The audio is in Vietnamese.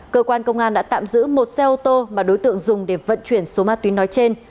cơ quan công an đã tạm giữ một xe ô tô mà đối tượng dùng để vận chuyển số ma túy nói trên